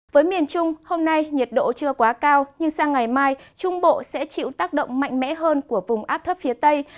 với miền trung hôm nay nhiệt độ chưa quá cao nhưng sang ngày mai trung bộ sẽ chịu tác động mạnh mẽ hơn của vùng áp thấp phía tây